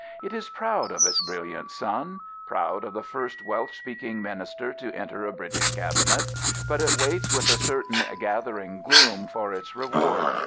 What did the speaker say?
It is proud of its brilliant son — ^proud of the first Welsh speaking Minister to enter a British Cabinet — ^but it waits with a certain gathering gloom for its reward.